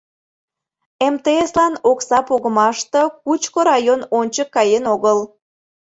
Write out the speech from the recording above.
МТС-лан окса погымаште Кучко район ончык каен огыл.